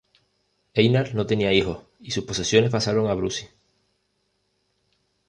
Einar no tenía hijos y sus posesiones pasaron a Brusi.